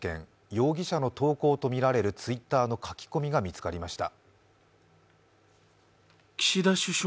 容疑者の投稿とみられるＴｗｉｔｔｅｒの書き込みが見つかりました。